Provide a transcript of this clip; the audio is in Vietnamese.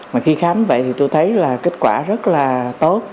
mà khi khám vậy thì tôi thấy là kết quả rất là tốt